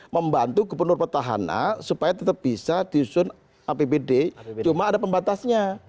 membantu gubernur petahana supaya tetap bisa disusun apbd cuma ada pembatasnya